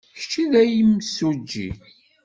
D kečč ay d imsujji.